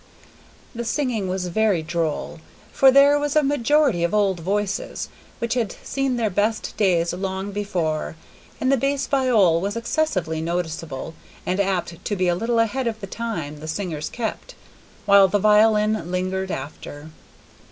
The singing was very droll, for there was a majority of old voices, which had seen their best days long before, and the bass viol was excessively noticeable, and apt to be a little ahead of the time the singers kept, while the violin lingered after.